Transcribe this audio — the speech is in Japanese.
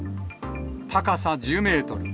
高さ１０メートル、